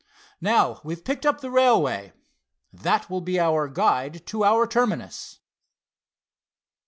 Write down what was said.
Now we've picked up the railway. That will be our guide to our terminus."